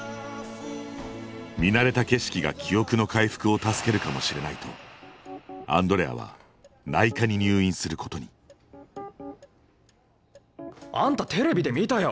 見慣れた景色が記憶の回復を助けるかもしれないとアンドレアは内科に入院することにあんたテレビで見たよ。